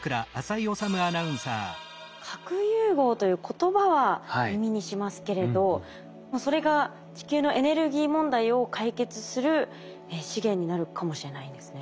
核融合という言葉は耳にしますけれどそれが地球のエネルギー問題を解決する資源になるかもしれないんですね。